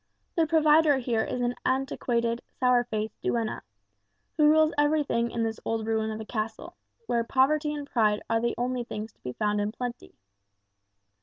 The provider here is an antiquated, sour faced duenna, who rules everything in this old ruin of a castle, where poverty and pride are the only things to be found in plenty.